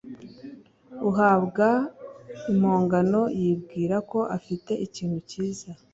Uhabwa impongano yibwira ko afite ikintu kiza